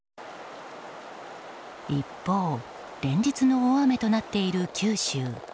一方、連日の大雨となっている九州。